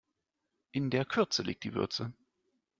In der Kürze liegt die Würze.